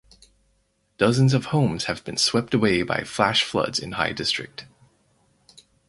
Dozens of homes have been swept away by flash floods in Hai District.